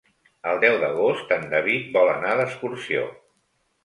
El deu d'agost en David vol anar d'excursió.